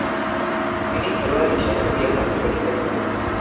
তিনি খেলোয়াড় হিসেবেও রিয়াল মাদ্রিদে খেলেছেন।